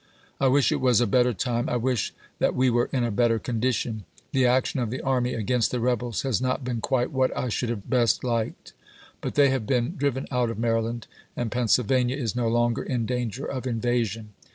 I wish it was a better time. I wish that we were in a better condition. The action of the army against the rebels has not been quite what I should have best liked. But they have been driven out of Maryland, and Pennsylvania is no longer in danger of invasion.